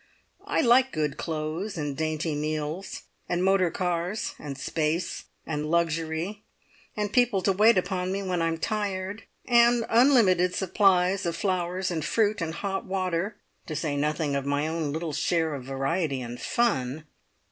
I like good clothes and dainty meals, and motor cars, and space, and luxury, and people to wait upon me when I'm tired, and unlimited supplies of flowers, and fruit, and hot water, to say nothing of my own little share of variety and fun.